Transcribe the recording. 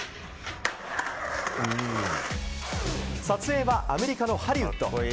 撮影は、アメリカのハリウッド。